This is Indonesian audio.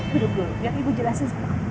duduk dulu biar ibu jelasin